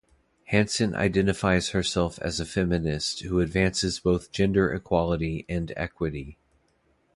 Hansen identifies herself as a feminist who advances both gender equality and equity.